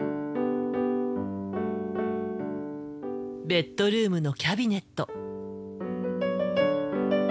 ベッドルームのキャビネット。